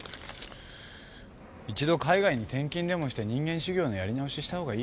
一度海外に転勤でもして人間修業のやり直ししたほうがいいよ。